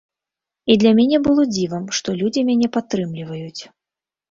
І для мяне было дзівам, што людзі мяне падтрымліваюць.